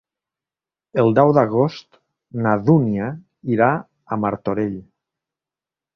El deu d'agost na Dúnia irà a Martorell.